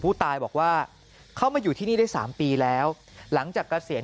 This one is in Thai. ผู้ตายบอกว่าเขามาอยู่ที่นี่ได้๓ปีแล้วหลังจากเกษียณ